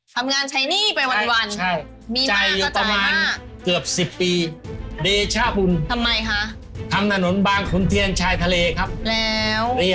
ทำงานใช้หนี้ไปวันมีมากก็จ่ายมากใช่ใช่